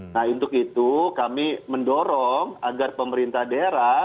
nah untuk itu kami mendorong agar pemerintah daerah